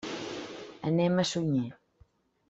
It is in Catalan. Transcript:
Anem a Sunyer.